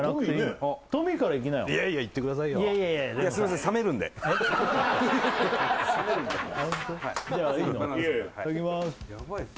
いただきます